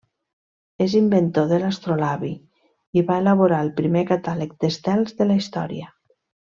És inventor de l'astrolabi i va elaborar el primer catàleg d'estels de la història.